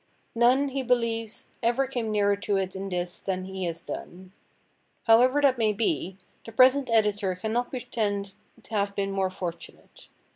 None, he believes, ever came nearer to it in this than he has done. However that may be, the present editor cannot pretend to have been more fortunate.